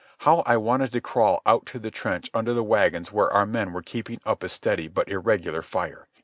How I wanted to crawl out to the trench under the wagons where our men were keeping up a steady but irregular fire!